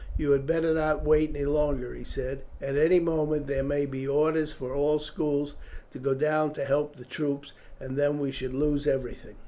"You had better not wait any longer," he said; "at any moment there may be orders for all schools to go down to help the troops, and then we should lose everything."